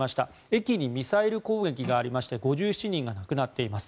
駅にミサイル攻撃がありまして５７人が亡くなっています。